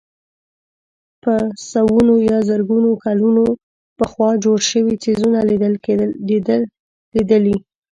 په سوونو یا زرګونو کلونه پخوا جوړ شوي څېزونه لیدلي.